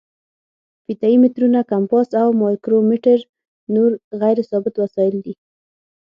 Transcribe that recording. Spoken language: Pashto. فیته یي مترونه، کمپاس او مایکرو میټر نور غیر ثابت وسایل دي.